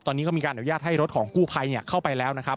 ตอนนี้ก็มีการอนุญาตให้รถของกู้ภัยเข้าไปแล้วนะครับ